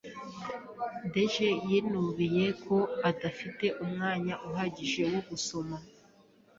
Deje yinubiye ko adafite umwanya uhagije wo gusoma.